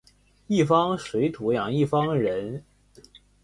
一方水土养一方人